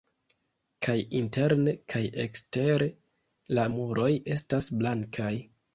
Kaj interne kaj ekstere la muroj estas blankaj.